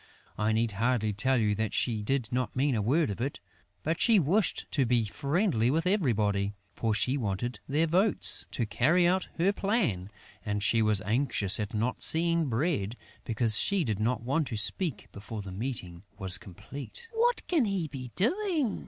I need hardly tell you that she did not mean a word of it; but she wished to be friendly with everybody, for she wanted their votes, to carry out her plan; and she was anxious at not seeing Bread, because she did not want to speak before the meeting was complete: "What can he be doing?"